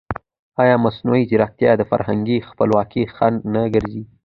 ایا مصنوعي ځیرکتیا د فرهنګي خپلواکۍ خنډ نه ګرځي؟